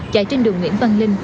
chạy trên đường nguyễn văn linh